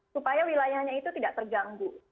supaya wilayahnya itu tidak terganggu